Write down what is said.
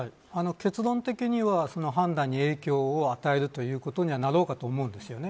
結論的には、判断に影響を与えるということになると思います。